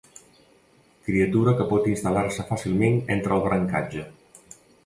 Criatura que pot instal·lar-se fàcilment entre el brancatge.